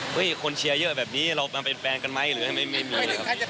เฮ้ยคนเชียร์เยอะแบบนี้เราเป็นแฟนกันไหมหรือทำไมไม่มี